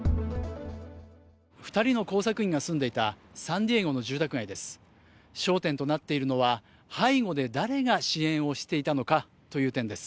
２人の工作員が住んでいたサンディエゴの住宅街です。